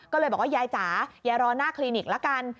ก็เลยบอกว่ายายจ๋ายายรอหน้าคลินิกละกัน